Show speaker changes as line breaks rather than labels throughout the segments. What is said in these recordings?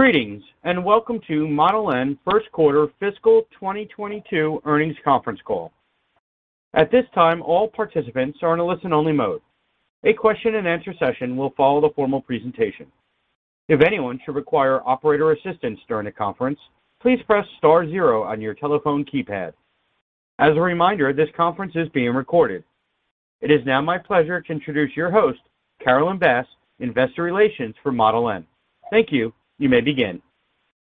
Greetings, and welcome to Model N first quarter fiscal 2022 Earnings Conference Call. At this time, all participants are in a listen-only mode. A question and answer session will follow the formal presentation. If anyone should require operator assistance during the conference, please press star zero on your telephone keypad. As a reminder, this conference is being recorded. It is now my pleasure to introduce your host, Carolyn Bass, Investor Relations for Model N. Thank you. You may begin.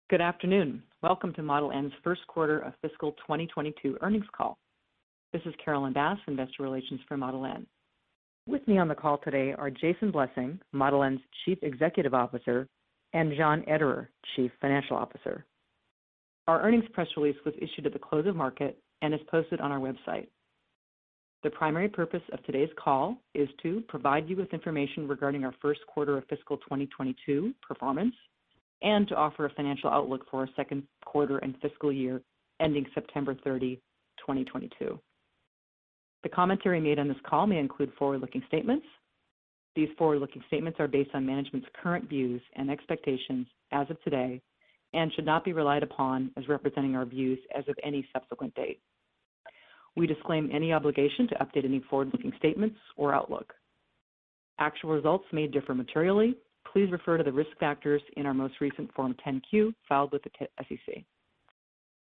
Good afternoon. Welcome to Model N's First Quarter of Fiscal 2022 Earnings Call. This is Carolyn Bass, Investor Relations for Model N. With me on the call today are Jason Blessing, Model N's Chief Executive Officer, and John Ederer, Chief Financial Officer. Our earnings press release was issued at the close of market and is posted on our website. The primary purpose of today's call is to provide you with information regarding our first quarter of fiscal 2022 performance and to offer a financial outlook for our second quarter and fiscal year ending September 30, 2022. The commentary made on this call may include forward-looking statements. These forward-looking statements are based on management's current views and expectations as of today and should not be relied upon as representing our views as of any subsequent date. We disclaim any obligation to update any forward-looking statements or outlook. Actual results may differ materially. Please refer to the risk factors in our most recent Form 10-Q filed with the SEC.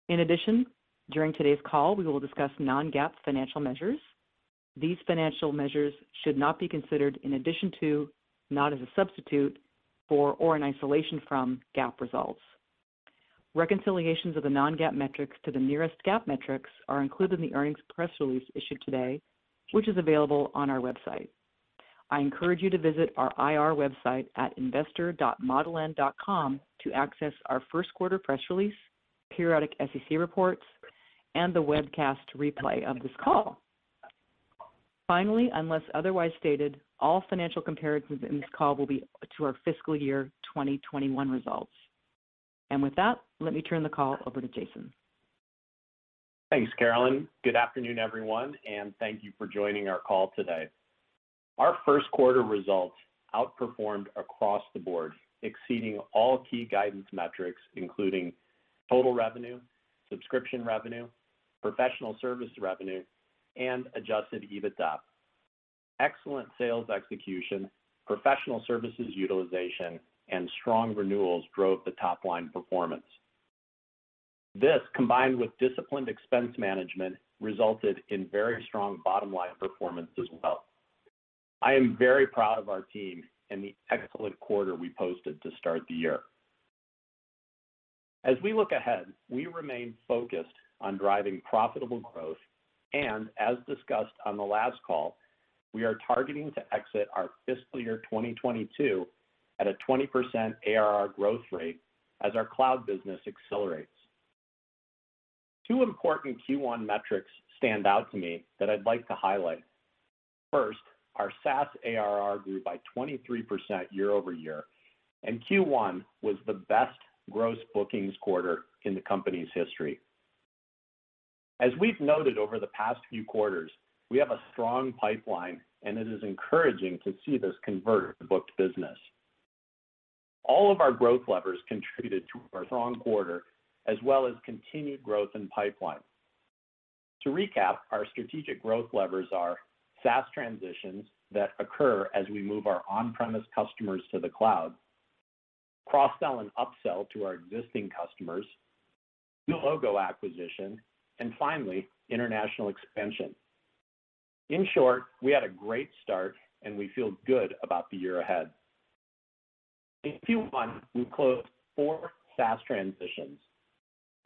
In addition, during today's call, we will discuss non-GAAP financial measures. These financial measures should not be considered in addition to, not as a substitute for, or in isolation from GAAP results. Reconciliations of the non-GAAP metrics to the nearest GAAP metrics are included in the earnings press release issued today, which is available on our website. I encourage you to visit our IR website at investor.modeln.com to access our first quarter press release, periodic SEC reports, and the webcast replay of this call. Finally, unless otherwise stated, all financial comparisons in this call will be to our fiscal year 2021 results. With that, let me turn the call over to Jason.
Thanks, Carolyn. Good afternoon, everyone, and thank you for joining our call today. Our first quarter results outperformed across the board, exceeding all key guidance metrics, including total revenue, subscription revenue, professional service revenue, and adjusted EBITDA. Excellent sales execution, professional services utilization, and strong renewals drove the top-line performance. This, combined with disciplined expense management, resulted in very strong bottom-line performance as well. I am very proud of our team and the excellent quarter we posted to start the year. As we look ahead, we remain focused on driving profitable growth. As discussed on the last call, we are targeting to exit our fiscal year 2022 at a 20% ARR growth rate as our cloud business accelerates. Two important Q1 metrics stand out to me that I'd like to highlight. First, our SaaS ARR grew by 23% year-over-year, and Q1 was the best gross bookings quarter in the company's history. As we've noted over the past few quarters, we have a strong pipeline, and it is encouraging to see this convert to booked business. All of our growth levers contributed to our strong quarter, as well as continued growth in pipeline. To recap, our strategic growth levers are SaaS transitions that occur as we move our on-premise customers to the cloud, cross-sell and upsell to our existing customers, new logo acquisition, and finally, international expansion. In short, we had a great start, and we feel good about the year ahead. In Q1, we closed four SaaS transitions.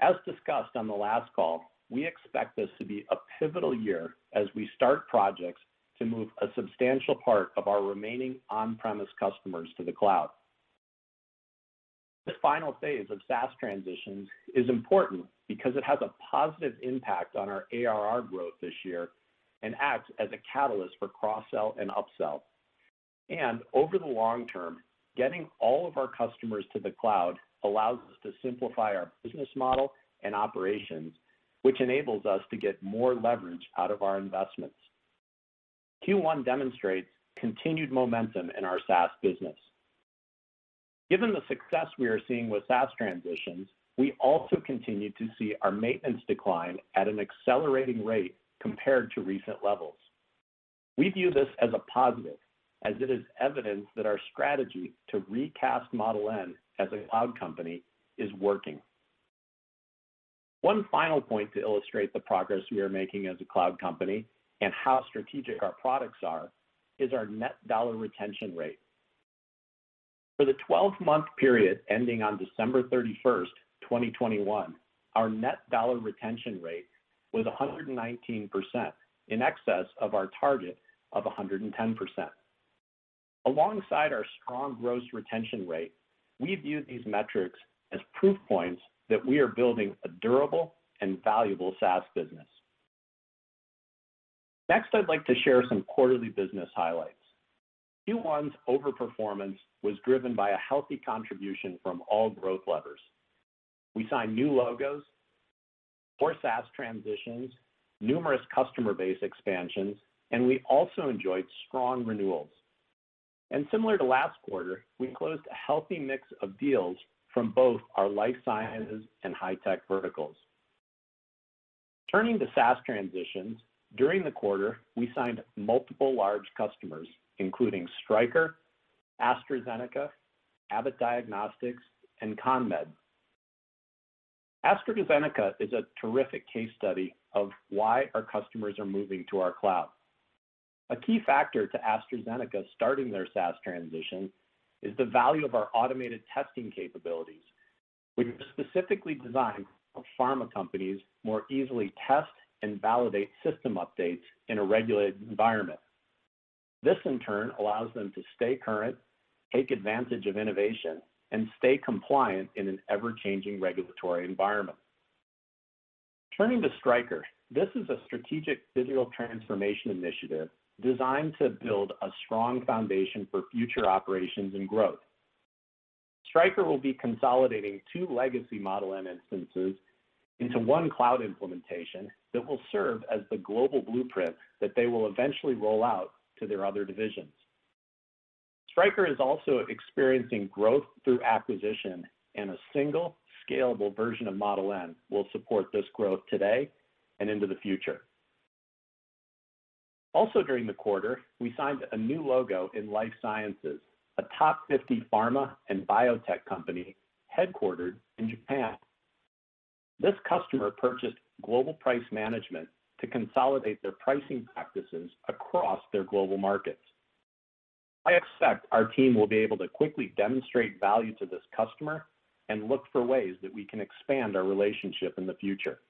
As discussed on the last call, we expect this to be a pivotal year as we start projects to move a substantial part of our remaining on-premise customers to the cloud. The final phase of SaaS transitions is important because it has a positive impact on our ARR growth this year and acts as a catalyst for cross-sell and upsell. Over the long term, getting all of our customers to the cloud allows us to simplify our business model and operations, which enables us to get more leverage out of our investments. Q1 demonstrates continued momentum in our SaaS business. Given the success we are seeing with SaaS transitions, we also continue to see our maintenance decline at an accelerating rate compared to recent levels. We view this as a positive, as it is evidence that our strategy to recast Model N as a cloud company is working. One final point to illustrate the progress we are making as a cloud company and how strategic our products are is our net dollar retention rate. For the twelve-month period ending on December 31st, 2021, our net dollar retention rate was 119%, in excess of our target of 110%. Alongside our strong gross retention rate, we view these metrics as proof points that we are building a durable and valuable SaaS business. Next, I'd like to share some quarterly business highlights. Q1's overperformance was driven by a healthy contribution from all growth levers. We signed new logos, four SaaS transitions, numerous customer base expansions, and we also enjoyed strong renewals. Similar to last quarter, we closed a healthy mix of deals from both our life sciences and high-tech verticals. Turning to SaaS transitions, during the quarter, we signed multiple large customers, including Stryker, AstraZeneca, Abbott Diagnostics, and CONMED. AstraZeneca is a terrific case study of why our customers are moving to our cloud. A key factor to AstraZeneca starting their SaaS transition is the value of our automated testing capabilities. We've specifically designed for pharma companies to more easily test and validate system updates in a regulated environment. This, in turn, allows them to stay current, take advantage of innovation, and stay compliant in an ever-changing regulatory environment. Turning to Stryker, this is a strategic digital transformation initiative designed to build a strong foundation for future operations and growth. Stryker will be consolidating two legacy Model N instances into one cloud implementation that will serve as the global blueprint that they will eventually roll out to their other divisions. Stryker is also experiencing growth through acquisition, and a single scalable version of Model N will support this growth today and into the future. Also during the quarter, we signed a new logo in life sciences, a top 50 pharma and biotech company headquartered in Japan. This customer purchased Global Price Management to consolidate their pricing practices across their global markets. I expect our team will be able to quickly demonstrate value to this customer and look for ways that we can expand our relationship in the future.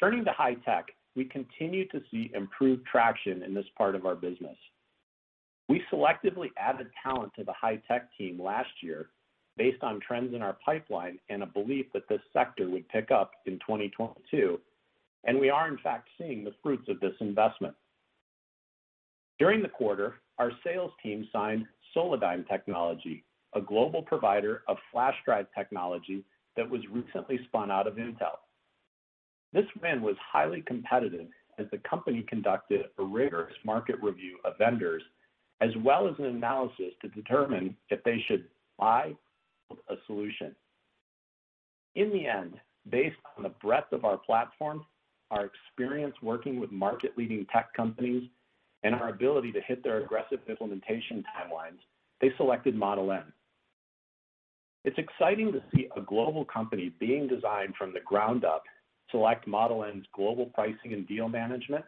Turning to high-tech, we continue to see improved traction in this part of our business. We selectively added talent to the high-tech team last year based on trends in our pipeline and a belief that this sector would pick up in 2022, and we are in fact seeing the fruits of this investment. During the quarter, our sales team signed Solidigm, a global provider of flash drive technology that was recently spun out of Intel. This win was highly competitive as the company conducted a rigorous market review of vendors, as well as an analysis to determine if they should buy a solution. In the end, based on the breadth of our platform, our experience working with market-leading tech companies, and our ability to hit their aggressive implementation timelines, they selected Model N. It's exciting to see a global company being designed from the ground up select Model N's Global Price Management and Deal Management,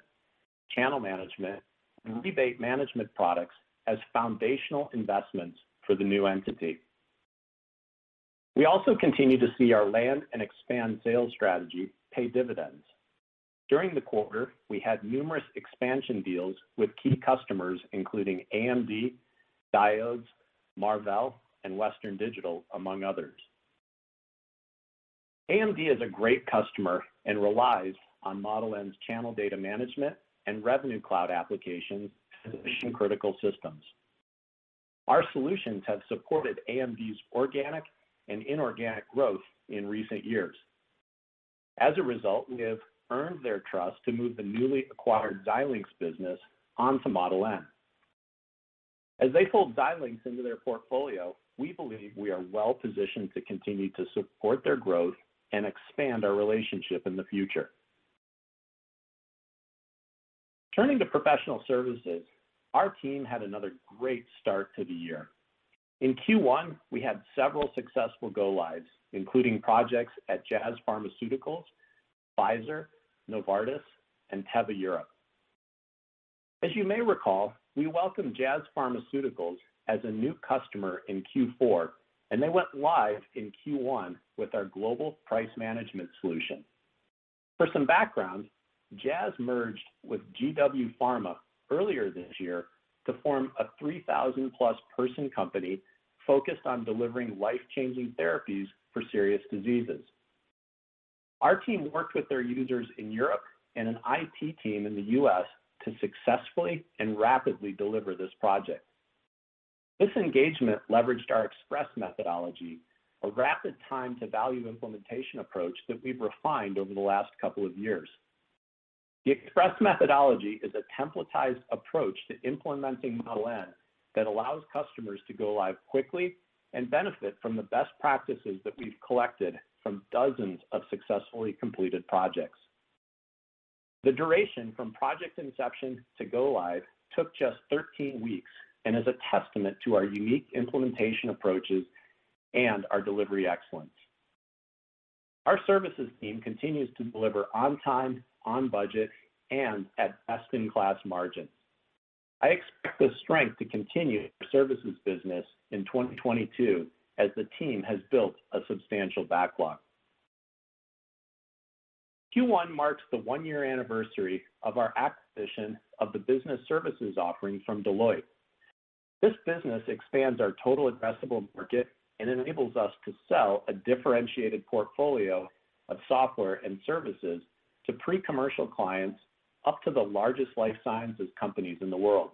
Channel Management, and Rebate Management products as foundational investments for the new entity. We also continue to see our land and expand sales strategy pay dividends. During the quarter, we had numerous expansion deals with key customers, including AMD, Diodes Incorporated, Marvell Technology, Inc., and Western Digital Corporation, among others. AMD is a great customer and relies on Model N's Channel Data Management and Revenue Cloud applications as mission-critical systems. Our solutions have supported AMD's organic and inorganic growth in recent years. As a result, we have earned their trust to move the newly acquired Xilinx business onto Model N. As they fold Xilinx into their portfolio, we believe we are well-positioned to continue to support their growth and expand our relationship in the future. Turning to professional services, our team had another great start to the year. In Q1, we had several successful go-lives, including projects at Jazz Pharmaceuticals, Pfizer, Novartis, and Teva Europe. As you may recall, we welcomed Jazz Pharmaceuticals as a new customer in Q4, and they went live in Q1 with our Global Price Management solution. For some background, Jazz merged with GW Pharma earlier this year to form a 3,000-plus person company focused on delivering life-changing therapies for serious diseases. Our team worked with their users in Europe and an IT team in the U.S. to successfully and rapidly deliver this project. This engagement leveraged our Express methodology, a rapid time-to-value implementation approach that we've refined over the last couple of years. The Express methodology is a templatized approach to implementing Model N that allows customers to go live quickly and benefit from the best practices that we've collected from dozens of successfully completed projects. The duration from project inception to go live took just 13 weeks and is a testament to our unique implementation approaches and our delivery excellence. Our services team continues to deliver on time, on budget, and at best-in-class margins. I expect the strength to continue in our services business in 2022 as the team has built a substantial backlog. Q1 marks the one-year anniversary of our acquisition of the business services offering from Deloitte. This business expands our total addressable market and enables us to sell a differentiated portfolio of software and services to pre-commercial clients up to the largest life sciences companies in the world.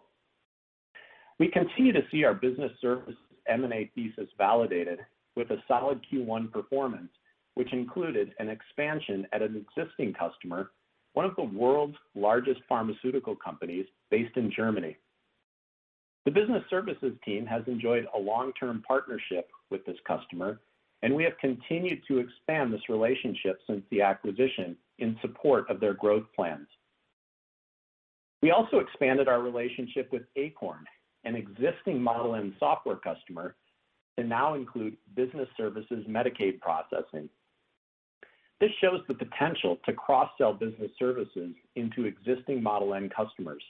We continue to see our business service M&A thesis validated with a solid Q1 performance, which included an expansion at an existing customer, one of the world's largest pharmaceutical companies based in Germany. The business services team has enjoyed a long-term partnership with this customer, and we have continued to expand this relationship since the acquisition in support of their growth plans. We also expanded our relationship with Akorn, an existing Model N software customer, to now include business services Medicaid processing. This shows the potential to cross-sell business services into existing Model N customers.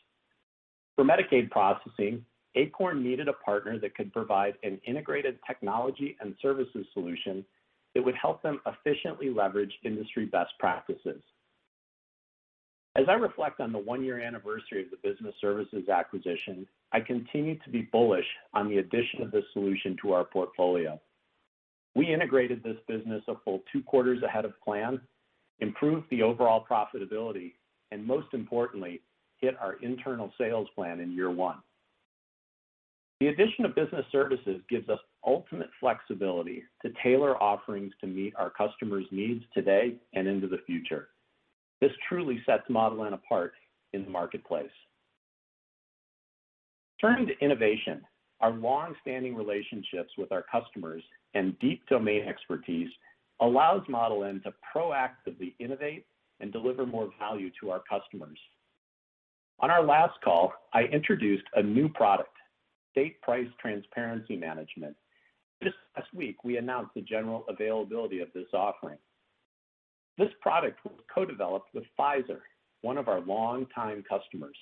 For Medicaid processing, Acorn needed a partner that could provide an integrated technology and services solution that would help them efficiently leverage industry best practices. As I reflect on the one-year anniversary of the business services acquisition, I continue to be bullish on the addition of this solution to our portfolio. We integrated this business a full two quarters ahead of plan, improved the overall profitability, and most importantly, hit our internal sales plan in year one. The addition of business services gives us ultimate flexibility to tailor offerings to meet our customers' needs today and into the future. This truly sets Model N apart in the marketplace. Turning to innovation, our long-standing relationships with our customers and deep domain expertise allows Model N to proactively innovate and deliver more value to our customers. On our last call, I introduced a new product, State Price Transparency Management. Just last week, we announced the general availability of this offering. This product was co-developed with Pfizer, one of our longtime customers.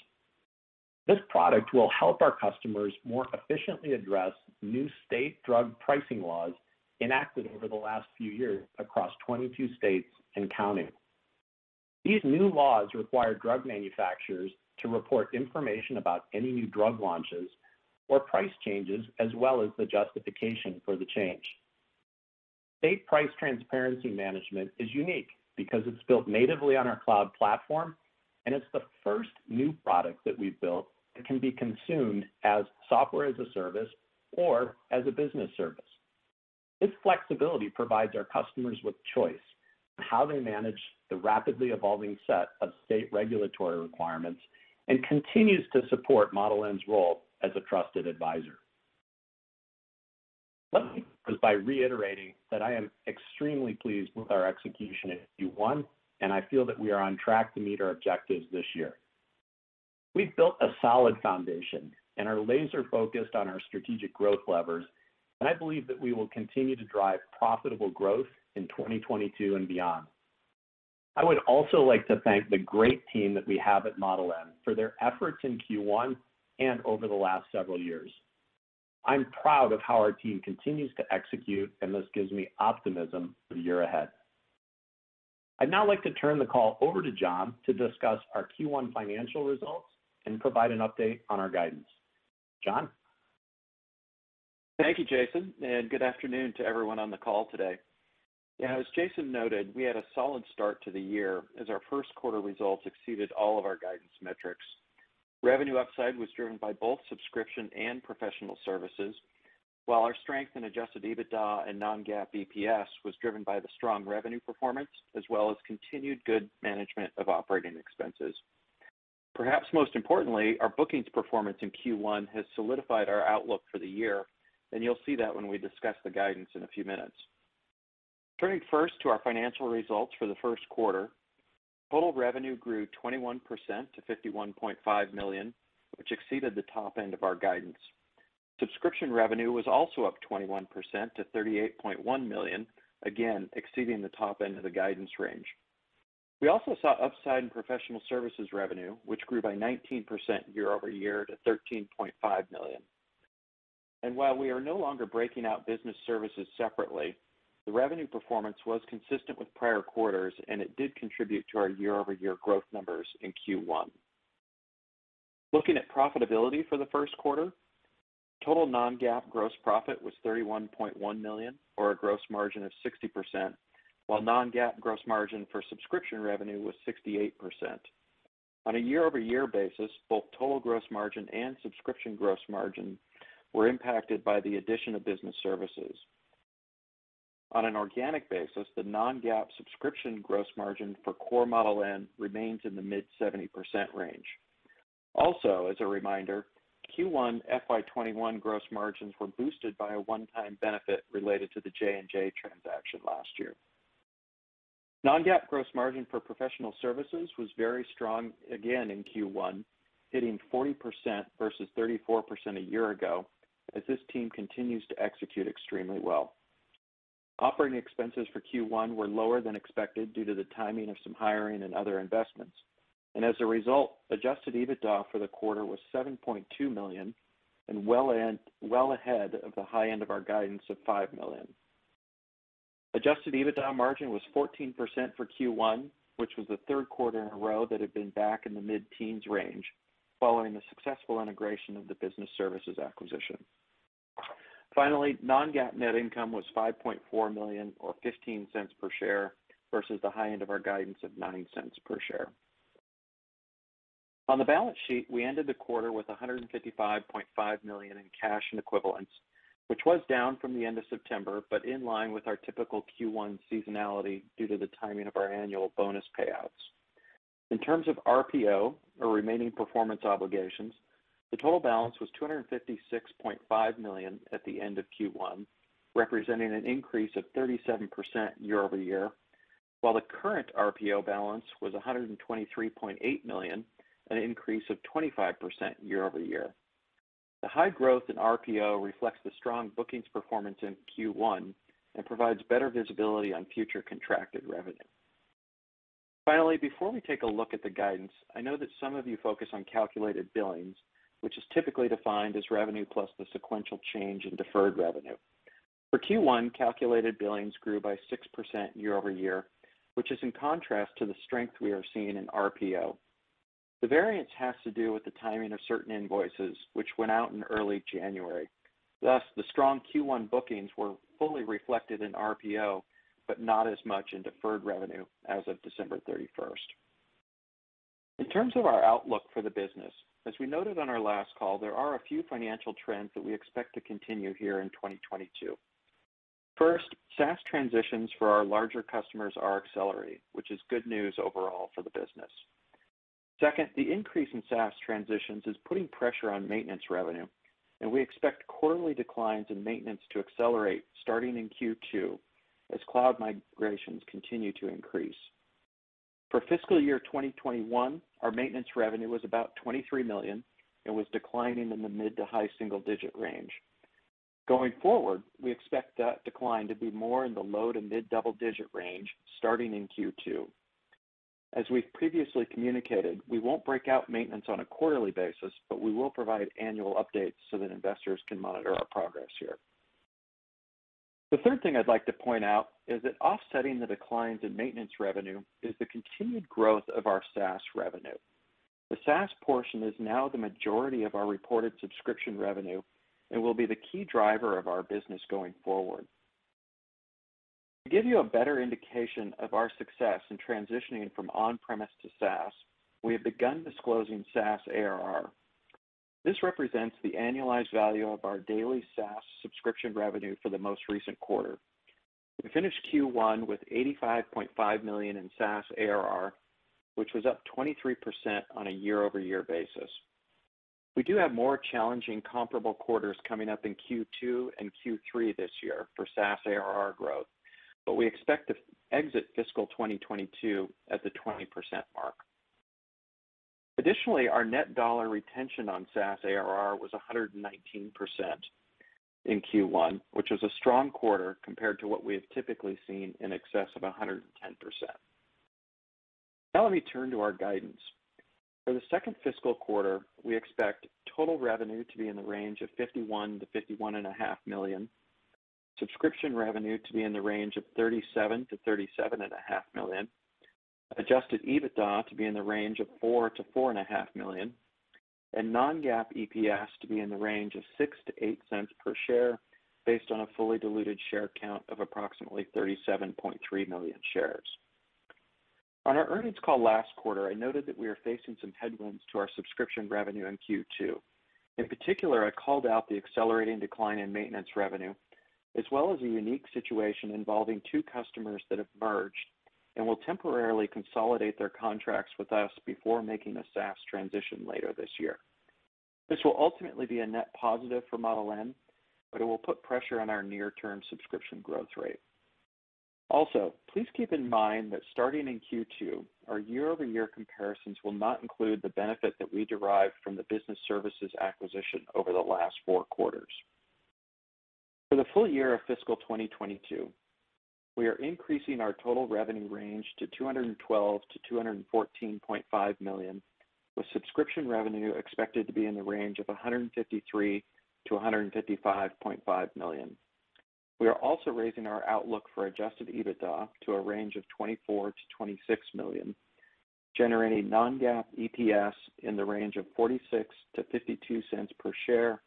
This product will help our customers more efficiently address new state drug pricing laws enacted over the last few years across 22 states and counting. These new laws require drug manufacturers to report information about any new drug launches or price changes, as well as the justification for the change. State Price Transparency Management is unique because it's built natively on our cloud platform, and it's the first new product that we've built that can be consumed as software as a service or as a business service. This flexibility provides our customers with choice on how they manage the rapidly evolving set of state regulatory requirements and continues to support Model N's role as a trusted advisor. Let me close by reiterating that I am extremely pleased with our execution in Q1, and I feel that we are on track to meet our objectives this year. We've built a solid foundation and are laser-focused on our strategic growth levers, and I believe that we will continue to drive profitable growth in 2022 and beyond. I would also like to thank the great team that we have at Model N for their efforts in Q1 and over the last several years. I'm proud of how our team continues to execute, and this gives me optimism for the year ahead. I'd now like to turn the call over to John to discuss our Q1 financial results and provide an update on our guidance. John?
Thank you, Jason, and good afternoon to everyone on the call today. Yeah, as Jason noted, we had a solid start to the year as our first quarter results exceeded all of our guidance metrics. Revenue upside was driven by both subscription and professional services, while our strength in adjusted EBITDA and non-GAAP EPS was driven by the strong revenue performance as well as continued good management of operating expenses. Perhaps most importantly, our bookings performance in Q1 has solidified our outlook for the year, and you'll see that when we discuss the guidance in a few minutes. Turning first to our financial results for the first quarter, total revenue grew 21% to $51.5 million, which exceeded the top end of our guidance. Subscription revenue was also up 21% to $38.1 million, again, exceeding the top end of the guidance range. We also saw upside in professional services revenue, which grew by 19% year-over-year to $13.5 million. While we are no longer breaking out business services separately, the revenue performance was consistent with prior quarters, and it did contribute to our year-over-year growth numbers in Q1. Looking at profitability for the first quarter, total non-GAAP gross profit was $31.1 million or a gross margin of 60%, while non-GAAP gross margin for subscription revenue was 68%. On a year-over-year basis, both total gross margin and subscription gross margin were impacted by the addition of business services. On an organic basis, the non-GAAP subscription gross margin for core Model N remains in the mid-70% range. Also, as a reminder, Q1 FY 2021 gross margins were boosted by a one-time benefit related to the J&J transaction last year. Non-GAAP gross margin for professional services was very strong again in Q1, hitting 40% versus 34% a year ago, as this team continues to execute extremely well. Operating expenses for Q1 were lower than expected due to the timing of some hiring and other investments. As a result, adjusted EBITDA for the quarter was $7.2 million and well ahead of the high end of our guidance of $5 million. Adjusted EBITDA margin was 14% for Q1, which was the third quarter in a row that had been back in the mid-teens range following the successful integration of the business services acquisition. Finally, non-GAAP net income was $5.4 million or $0.15 per share, versus the high end of our guidance of $0.09 per share. On the balance sheet, we ended the quarter with $155.5 million in cash and equivalents, which was down from the end of September, but in line with our typical Q1 seasonality due to the timing of our annual bonus payouts. In terms of RPO, or remaining performance obligations, the total balance was $256.5 million at the end of Q1, representing an increase of 37% year-over-year, while the current RPO balance was $123.8 million, an increase of 25% year-over-year. The high growth in RPO reflects the strong bookings performance in Q1 and provides better visibility on future contracted revenue. Finally, before we take a look at the guidance, I know that some of you focus on calculated billings, which is typically defined as revenue plus the sequential change in deferred revenue. For Q1, calculated billings grew by 6% year-over-year, which is in contrast to the strength we are seeing in RPO. The variance has to do with the timing of certain invoices, which went out in early January. Thus, the strong Q1 bookings were fully reflected in RPO, but not as much in deferred revenue as of December thirty-first. In terms of our outlook for the business, as we noted on our last call, there are a few financial trends that we expect to continue here in 2022. First, SaaS transitions for our larger customers are accelerating, which is good news overall for the business. Second, the increase in SaaS transitions is putting pressure on maintenance revenue, and we expect quarterly declines in maintenance to accelerate starting in Q2 as cloud migrations continue to increase. For fiscal year 2021, our maintenance revenue was about $23 million and was declining in the mid- to high-single-digit range. Going forward, we expect that decline to be more in the low- to mid-double-digit range starting in Q2. As we've previously communicated, we won't break out maintenance on a quarterly basis, but we will provide annual updates so that investors can monitor our progress here. The third thing I'd like to point out is that offsetting the declines in maintenance revenue is the continued growth of our SaaS revenue. The SaaS portion is now the majority of our reported subscription revenue and will be the key driver of our business going forward. To give you a better indication of our success in transitioning from on-premise to SaaS, we have begun disclosing SaaS ARR. This represents the annualized value of our daily SaaS subscription revenue for the most recent quarter. We finished Q1 with $85.5 million in SaaS ARR, which was up 23% on a year-over-year basis. We do have more challenging comparable quarters coming up in Q2 and Q3 this year for SaaS ARR growth, but we expect to exit fiscal 2022 at the 20% mark. Additionally, our net dollar retention on SaaS ARR was 119% in Q1, which was a strong quarter compared to what we have typically seen in excess of 110%. Now let me turn to our guidance. For the second fiscal quarter, we expect total revenue to be in the range of $51 million-$51.5 million, subscription revenue to be in the range of $37 million-$37.5 million, adjusted EBITDA to be in the range of $4 million-$4.5 million, and non-GAAP EPS to be in the range of $0.06-$0.08 per share based on a fully diluted share count of approximately 37.3 million shares. On our earnings call last quarter, I noted that we are facing some headwinds to our subscription revenue in Q2. In particular, I called out the accelerating decline in maintenance revenue, as well as a unique situation involving two customers that have merged and will temporarily consolidate their contracts with us before making a SaaS transition later this year. This will ultimately be a net positive for Model N, but it will put pressure on our near-term subscription growth rate. Also, please keep in mind that starting in Q2, our year-over-year comparisons will not include the benefit that we derived from the business services acquisition over the last four quarters. For the full year of fiscal 2022, we are increasing our total revenue range to $212 million-$214.5 million, with subscription revenue expected to be in the range of $153 million-$155.5 million. We are also raising our outlook for adjusted EBITDA to a range of $24 million-$26 million, generating non-GAAP EPS in the range of $0.46-$0.52 per share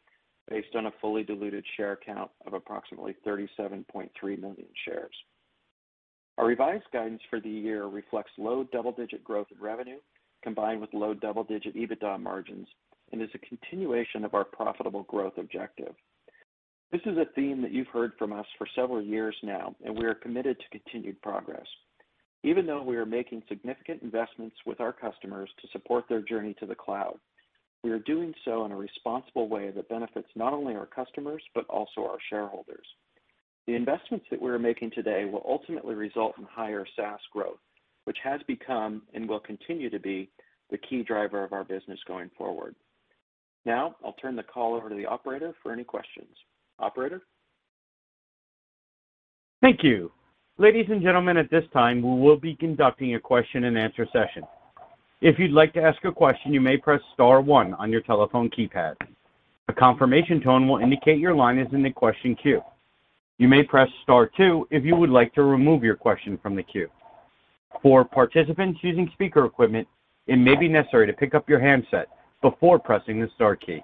based on a fully diluted share count of approximately 37.3 million shares. Our revised guidance for the year reflects low double-digit growth in revenue combined with low double-digit EBITDA margins and is a continuation of our profitable growth objective. This is a theme that you've heard from us for several years now, and we are committed to continued progress. Even though we are making significant investments with our customers to support their journey to the cloud, we are doing so in a responsible way that benefits not only our customers but also our shareholders. The investments that we are making today will ultimately result in higher SaaS growth, which has become and will continue to be the key driver of our business going forward. Now I'll turn the call over to the operator for any questions. Operator?
Thank you. Ladies and gentlemen, at this time, we will be conducting a question and answer session. If you'd like to ask a question, you may press star one on your telephone keypad. A confirmation tone will indicate your line is in the question queue. You may press star two if you would like to remove your question from the queue. For participants using speaker equipment, it may be necessary to pick up your handset before pressing the star key.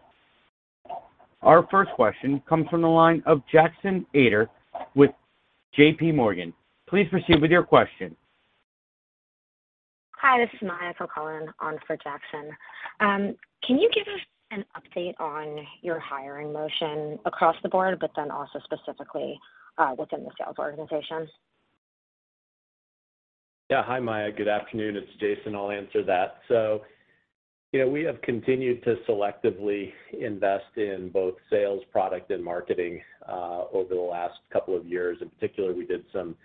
Our first question comes from the line of Jackson Ader with J.P. Morgan. Please proceed with your question.
Hi, this is Maya Kilcullen on for Jackson. Can you give us an update on your hiring motion across the board, but then also specifically, within the sales organization?
Yeah. Hi, Maya. Good afternoon. It's Jason. I'll answer that. Yeah, we have continued to selectively invest in both sales, product and marketing over the last couple of years. In particular, we did some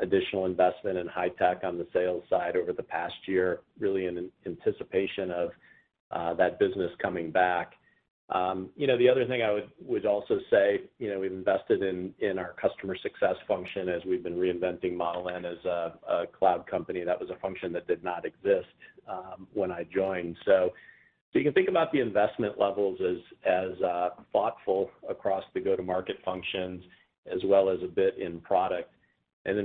additional investment in high tech on the sales side over the past year, really in anticipation of that business coming back. You know, the other thing I would also say, you know, we've invested in our customer success function as we've been reinventing Model N as a cloud company. That was a function that did not exist when I joined. You can think about the investment levels as thoughtful across the go-to-market functions as well as a bit in product.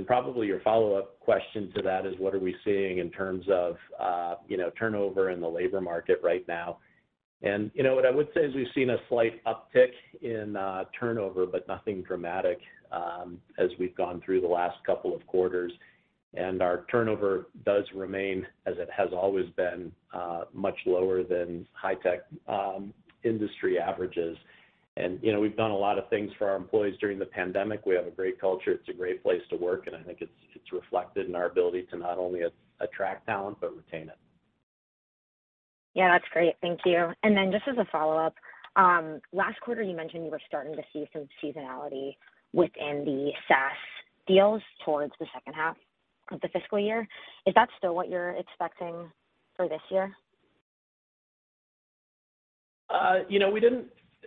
Probably your follow-up question to that is what are we seeing in terms of, you know, turnover in the labor market right now. You know, what I would say is we've seen a slight uptick in turnover, but nothing dramatic, as we've gone through the last couple of quarters. Our turnover does remain, as it has always been, much lower than high-tech industry averages. You know, we've done a lot of things for our employees during the pandemic. We have a great culture. It's a great place to work, and I think it's reflected in our ability to not only attract talent, but retain it.
Yeah, that's great. Thank you. Just as a follow-up, last quarter you mentioned you were starting to see some seasonality within the SaaS deals towards the second half of the fiscal year. Is that still what you're expecting for this year?
You know,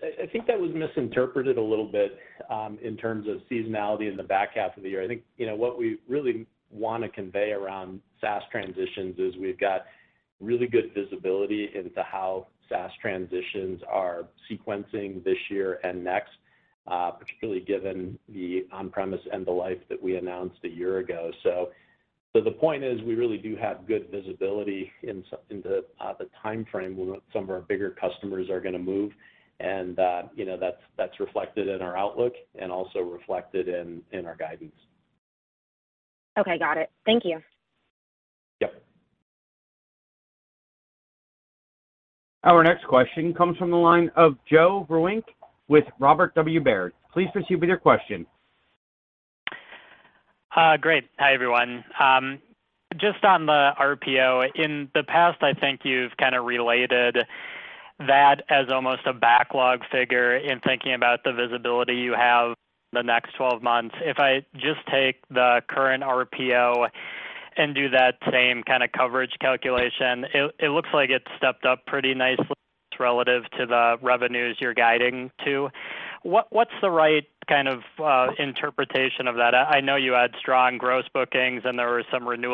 I think that was misinterpreted a little bit in terms of seasonality in the back half of the year. I think, you know, what we really wanna convey around SaaS transitions is we've got really good visibility into how SaaS transitions are sequencing this year and next, particularly given the on-premise end-of-life that we announced a year ago. So the point is, we really do have good visibility in the timeframe when some of our bigger customers are gonna move. You know, that's reflected in our outlook and also reflected in our guidance.
Okay. Got it. Thank you.
Yep.
Our next question comes from the line of Joe Vruwink with Robert W. Baird. Please proceed with your question.
Great. Hi, everyone. Just on the RPO. In the past, I think you've kind of related that as almost a backlog figure in thinking about the visibility you have in the next 12 months. If I just take the current RPO and do that same kind of coverage calculation, it looks like it stepped up pretty nicely relative to the revenues you're guiding to. What's the right kind of interpretation of that? I know you had strong gross bookings and there were some renewals,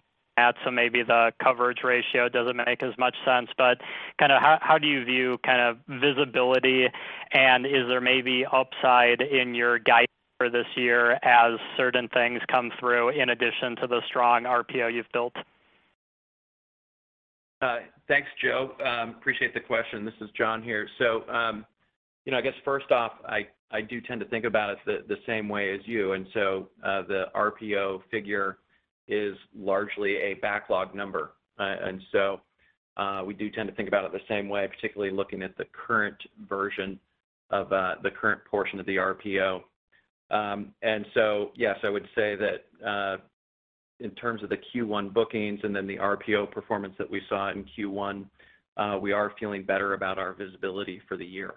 so maybe the coverage ratio doesn't make as much sense. Kinda how do you view kind of visibility, and is there maybe upside in your guidance for this year as certain things come through in addition to the strong RPO you've built?
Thanks, Joe. Appreciate the question. This is John here. You know, I do tend to think about it the same way as you. The RPO figure is largely a backlog number. We do tend to think about it the same way, particularly looking at the current version of the current portion of the RPO. Yes, I would say that in terms of the Q1 bookings and then the RPO performance that we saw in Q1, we are feeling better about our visibility for the year.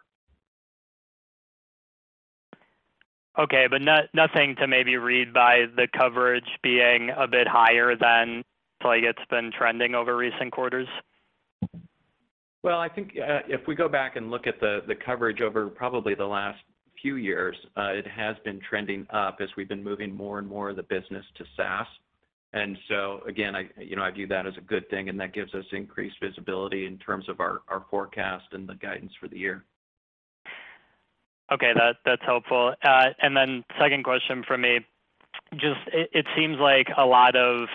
Nothing to maybe read into the coverage being a bit higher than like it's been trending over recent quarters?
Well, I think, if we go back and look at the coverage over probably the last few years, it has been trending up as we've been moving more and more of the business to SaaS. Again, you know, I view that as a good thing, and that gives us increased visibility in terms of our forecast and the guidance for the year.
Okay. That's helpful. Second question from me, just it seems like a lot of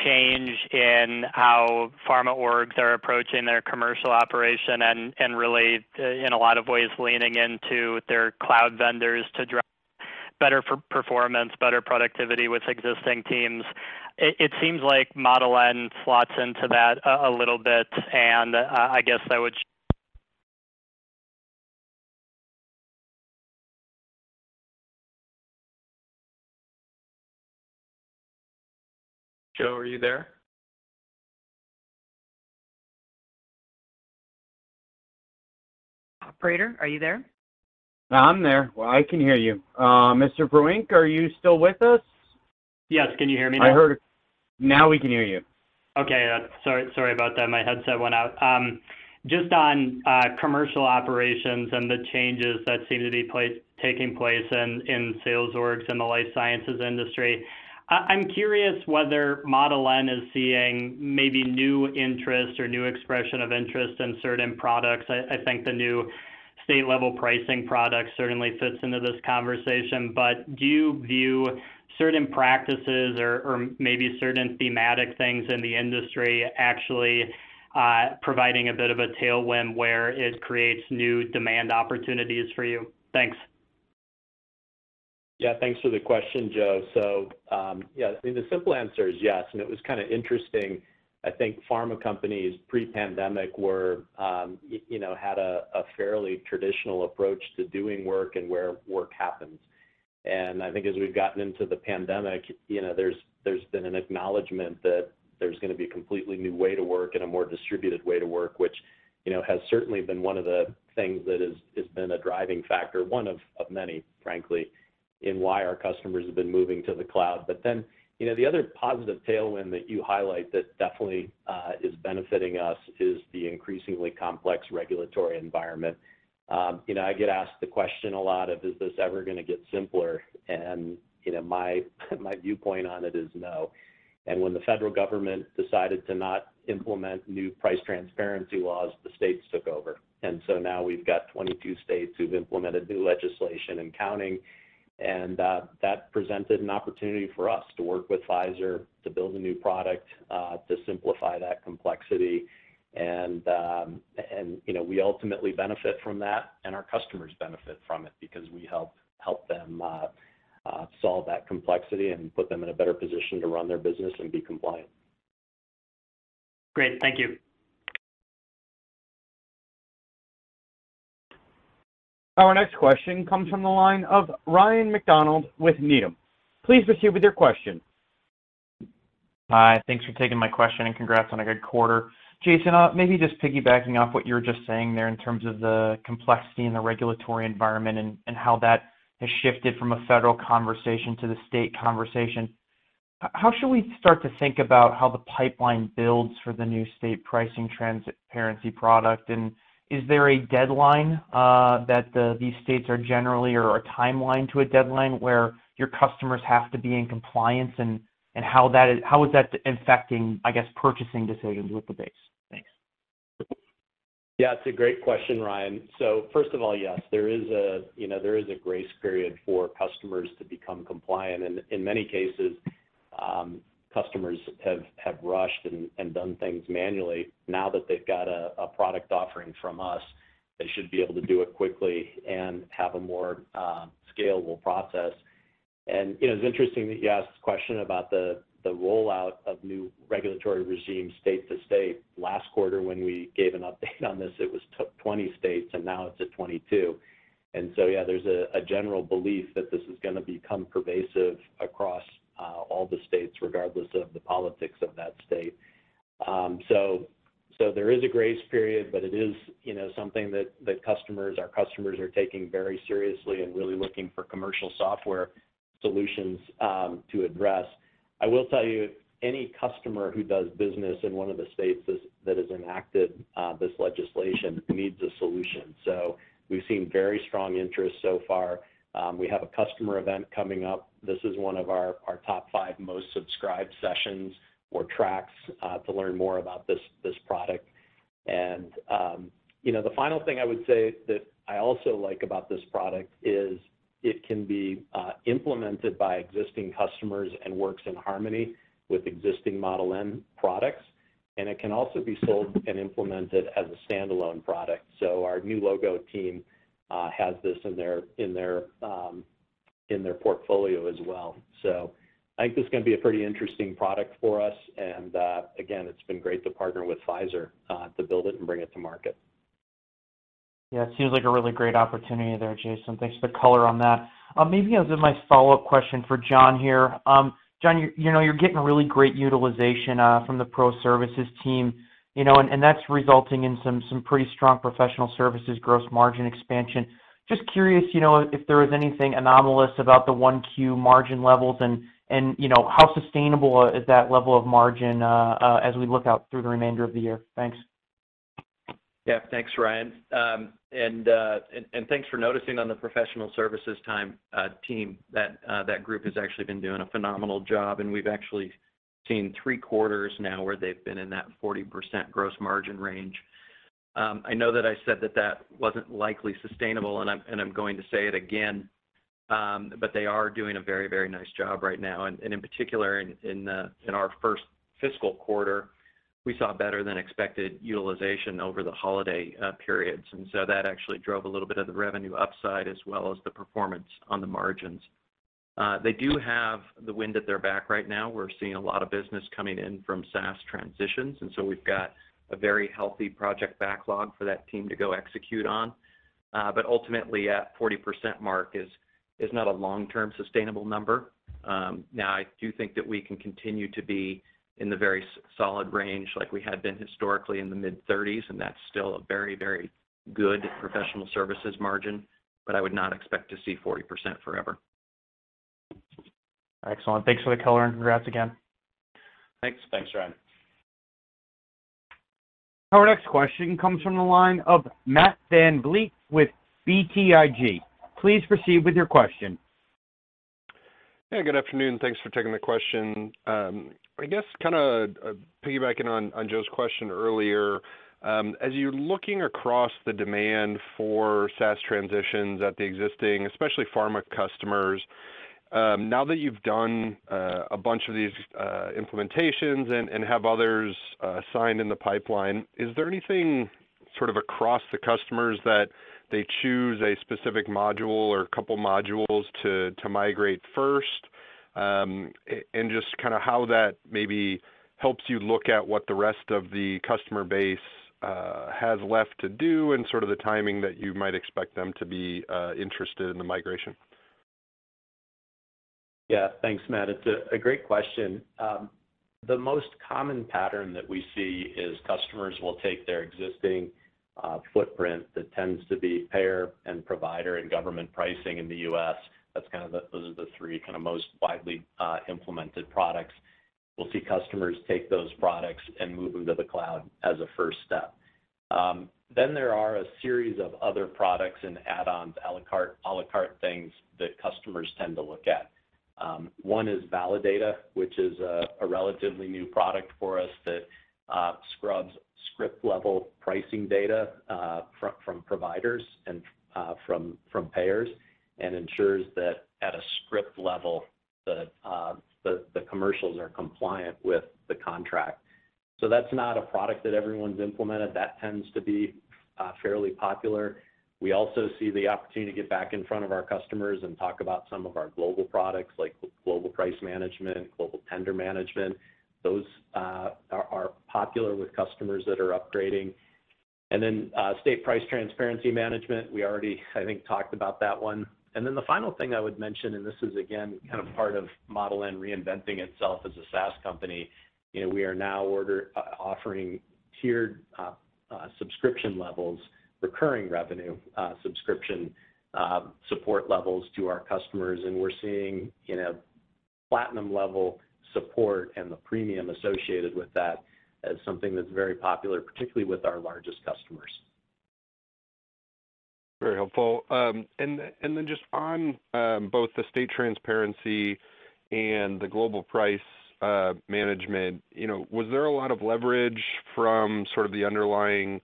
change in how pharma orgs are approaching their commercial operation and really in a lot of ways, leaning into their cloud vendors to drive better performance, better productivity with existing teams. It seems like Model N slots into that a little bit, and I guess I would.
Joe, are you there?
Operator, are you there?
I'm there. Well, I can hear you. Mr. Vruwink, are you still with us?
Yes. Can you hear me now?
I heard. Now we can hear you.
Sorry about that. My headset went out. Just on commercial operations and the changes that seem to be taking place in sales orgs in the life sciences industry. I'm curious whether Model N is seeing maybe new interest or new expression of interest in certain products. I think the new state-level pricing product certainly fits into this conversation, but do you view certain practices or maybe certain thematic things in the industry actually providing a bit of a tailwind where it creates new demand opportunities for you? Thanks.
Yeah, thanks for the question, Joe. Yeah, I mean, the simple answer is yes, and it was kinda interesting. I think pharma companies pre-pandemic were, you know, had a fairly traditional approach to doing work and where work happens. I think as we've gotten into the pandemic, you know, there's been an acknowledgment that there's gonna be a completely new way to work and a more distributed way to work, which, you know, has certainly been one of the things that has been a driving factor, one of many, frankly, in why our customers have been moving to the cloud. But then, you know, the other positive tailwind that you highlight that definitely is benefiting us is the increasingly complex regulatory environment. You know, I get asked the question a lot of, "Is this ever gonna get simpler?" You know, my viewpoint on it is no. When the federal government decided to not implement new price transparency laws, the states took over. Now we've got 22 states who've implemented new legislation and counting, and that presented an opportunity for us to work with Pfizer to build a new product to simplify that complexity. You know, we ultimately benefit from that, and our customers benefit from it because we help them solve that complexity and put them in a better position to run their business and be compliant.
Great. Thank you.
Our next question comes from the line of Ryan MacDonald with Needham. Please proceed with your question.
Hi. Thanks for taking my question, and congrats on a good quarter. Jason, maybe just piggybacking off what you were just saying there in terms of the complexity and the regulatory environment and how that has shifted from a federal conversation to the state conversation. How should we start to think about how the pipeline builds for the new state pricing transparency product, and is there a deadline that these states are generally or a timeline to a deadline where your customers have to be in compliance and how that is affecting, I guess, purchasing decisions with the base? Thanks.
Yeah, it's a great question, Ryan. First of all, yes, there is, you know, a grace period for customers to become compliant. In many cases, customers have rushed and done things manually. Now that they've got a product offering from us, they should be able to do it quickly and have a more scalable process. You know, it's interesting that you ask this question about the rollout of new regulatory regimes state to state. Last quarter when we gave an update on this, it was 20 states, and now it's at 22. Yeah, there's a general belief that this is gonna become pervasive across all the states, regardless of the politics of that state. There is a grace period, but it is, you know, something that customers, our customers are taking very seriously and really looking for commercial software solutions to address. I will tell you, any customer who does business in one of the states that has enacted this legislation needs a solution. We've seen very strong interest so far. We have a customer event coming up. This is one of our top five most subscribed sessions or tracks to learn more about this product. You know, the final thing I would say that I also like about this product is it can be implemented by existing customers and works in harmony with existing Model N products, and it can also be sold and implemented as a standalone product. Our new logo team has this in their portfolio as well. I think this is gonna be a pretty interesting product for us, and again, it's been great to partner with Pfizer to build it and bring it to market.
Yeah, it seems like a really great opportunity there, Jason. Thanks for the color on that. Maybe as my follow-up question for John here. John, you know, you're getting really great utilization from the pro services team, you know, and that's resulting in some pretty strong professional services gross margin expansion. Just curious, you know, if there was anything anomalous about the 1Q margin levels and, you know, how sustainable is that level of margin as we look out through the remainder of the year? Thanks.
Yeah. Thanks, Ryan. Thanks for noticing on the professional services team. That group has actually been doing a phenomenal job, and we've actually seen three quarters now where they've been in that 40% gross margin range. I know that I said that that wasn't likely sustainable, and I'm going to say it again. They are doing a very, very nice job right now. In particular, in our first fiscal quarter, we saw better than expected utilization over the holiday periods. That actually drove a little bit of the revenue upside as well as the performance on the margins. They do have the wind at their back right now. We're seeing a lot of business coming in from SaaS transitions, and so we've got a very healthy project backlog for that team to go execute on. Ultimately, that 40% mark is not a long-term sustainable number. Now, I do think that we can continue to be in the very solid range like we had been historically in the mid-30s, and that's still a very, very good professional services margin, but I would not expect to see 40% forever.
Excellent. Thanks for the color, and congrats again.
Thanks.
Thanks, Ryan.
Our next question comes from the line of Matt VanVliet with BTIG. Please proceed with your question.
Hey, good afternoon. Thanks for taking the question. I guess kinda piggybacking on Joe's question earlier, as you're looking across the demand for SaaS transitions at the existing, especially pharma customers, now that you've done a bunch of these implementations and have others signed in the pipeline, is there anything sort of across the customers that they choose a specific module or a couple modules to migrate first? Just kinda how that maybe helps you look at what the rest of the customer base has left to do and sort of the timing that you might expect them to be interested in the migration.
Yeah. Thanks, Matt. It's a great question. The most common pattern that we see is customers will take their existing footprint that tends to be payer and provider and government pricing in the U.S. That's kind of those are the three kind of most widely implemented products. We'll see customers take those products and move them to the cloud as a first step. Then there are a series of other products and add-ons, a la carte things that customers tend to look at. One is Validata, which is a relatively new product for us that scrubs script-level pricing data from providers and from payers and ensures that at a script level that the commercials are compliant with the contract. That's not a product that everyone's implemented. That tends to be fairly popular. We also see the opportunity to get back in front of our customers and talk about some of our global products like Global Price Management, Global Tender Management. Those are popular with customers that are upgrading. State Price Transparency Management, we already, I think, talked about that one. The final thing I would mention, and this is again, kind of part of Model N reinventing itself as a SaaS company, you know, we are now offering tiered subscription levels, recurring revenue subscription support levels to our customers. We're seeing, you know, platinum-level support and the premium associated with that as something that's very popular, particularly with our largest customers.
Very helpful. Just on both the State Transparency and the Global Price Management, you know, was there a lot of leverage from sort of the underlying,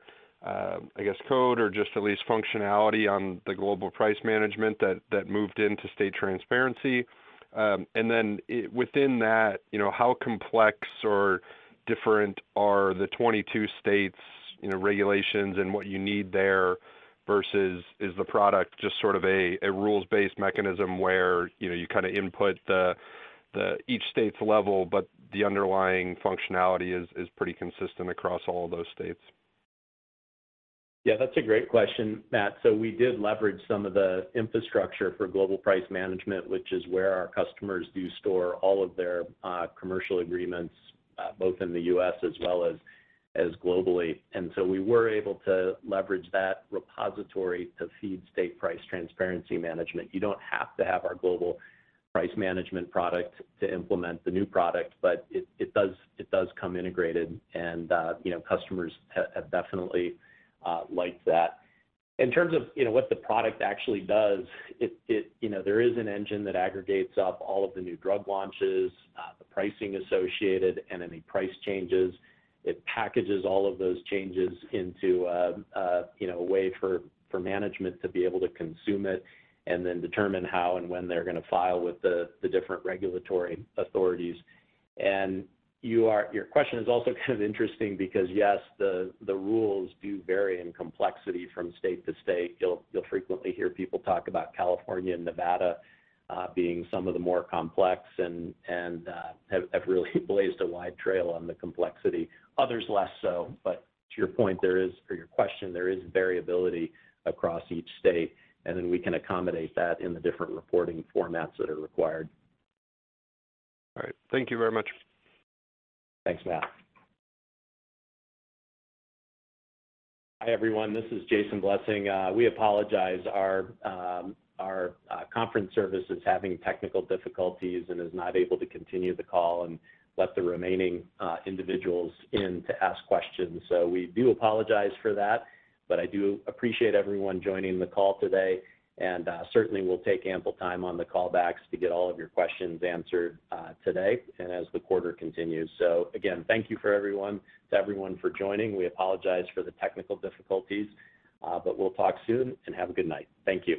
I guess, code or just at least functionality on the Global Price Management that moved into State Transparency? Within that, you know, how complex or different are the 22 states regulations and what you need there versus is the product just sort of a rules-based mechanism where, you know, you kinda input each state's level, but the underlying functionality is pretty consistent across all of those states?
Yeah, that's a great question, Matt. We did leverage some of the infrastructure for Global Price Management, which is where our customers do store all of their commercial agreements both in the U.S. as well as globally. We were able to leverage that repository to feed State Price Transparency Management. You don't have to have our Global Price Management product to implement the new product, but it does come integrated, and you know, customers have definitely liked that. In terms of, you know, what the product actually does, it you know, there is an engine that aggregates up all of the new drug launches, the pricing associated, and any price changes. It packages all of those changes into a way for management to be able to consume it and then determine how and when they're gonna file with the different regulatory authorities. Your question is also kind of interesting because, yes, the rules do vary in complexity from state to state. You'll frequently hear people talk about California and Nevada being some of the more complex and have really blazed a wide trail on the complexity. Others less so, but to your point, there is variability across each state, and then we can accommodate that in the different reporting formats that are required.
All right. Thank you very much.
Thanks, Matt. Hi, everyone. This is Jason Blessing. We apologize. Our conference service is having technical difficulties and is not able to continue the call and let the remaining individuals in to ask questions. We do apologize for that, but I do appreciate everyone joining the call today. Certainly we'll take ample time on the callbacks to get all of your questions answered today and as the quarter continues. Again, thank you to everyone for joining. We apologize for the technical difficulties, but we'll talk soon, and have a good night. Thank you.